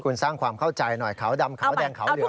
คุณสร้างความเข้าใจหน่อยขาวดำขาวแดงขาวเหลือง